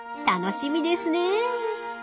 ［楽しみですね］